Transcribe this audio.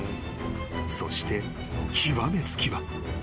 ［そして極め付きは］